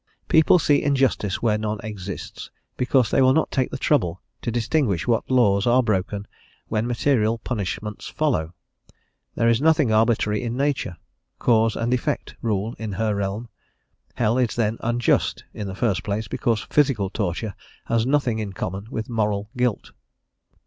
People see injustice where none exists, because they will not take the trouble to distinguish what laws are broken when material punishments follow. There is nothing arbitrary in nature: cause and effect rule in her realm. Hell is then unjust, in the first place, because physical torture has nothing in common with moral guilt.